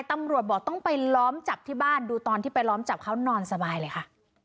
ตำรวจบอกต้องไปล้อมจับที่บ้านดูตอนที่ไปล้อมจับเขานอนสบายเลยค่ะ